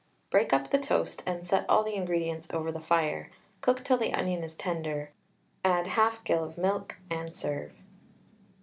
Break up the toast, and set all the ingredients over the fire; cook till the onion is tender, add 1/2 gill of milk, and serve.